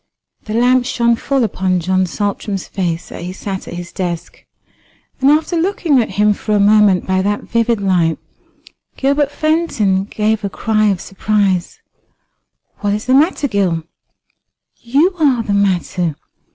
The lamp shone full upon John Saltram's face as he sat at his desk; and after looking at him for a moment by that vivid light, Gilbert Fenton gave a cry of surprise. "What is the matter, Gil?" "You are the matter.